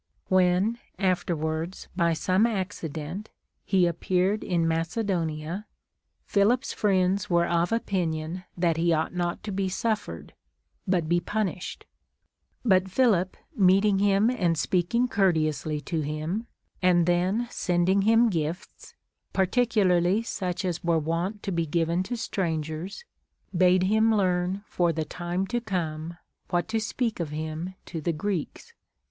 \Yhen afterwards by some accident he appeared in Mace donia, Philip's friends were of opinion that he ought not to be suffered, but be punished ; but Philip meeting him and speaking courteously to him, and then sending him gifts, particularly such as were wont to be given to strangers, bade him learn for the time to come Λvhat to speak of him to the Greeks.